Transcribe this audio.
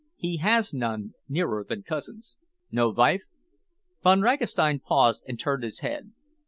"He has none nearer than cousins." "No wife?" Von Ragastein paused and turned his head.